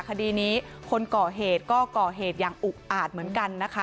คดีนี้คนก่อเหตุก็ก่อเหตุอย่างอุกอาจเหมือนกันนะคะ